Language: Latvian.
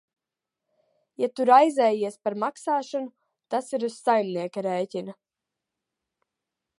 Ja tu raizējies par maksāšanu, tas ir uz saimnieka rēķina.